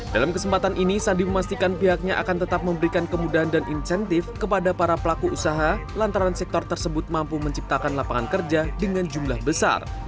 dalam kesempatan ini sandi memastikan pihaknya akan tetap memberikan kemudahan dan insentif kepada para pelaku usaha lantaran sektor tersebut mampu menciptakan lapangan kerja dengan jumlah besar